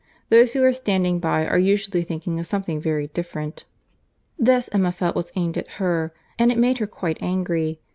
Those who are standing by are usually thinking of something very different." This Emma felt was aimed at her; and it made her quite angry.